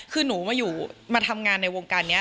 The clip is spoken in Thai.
คือหนูมาทำงานในวงการนี้